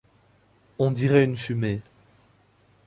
On dirait une fumée.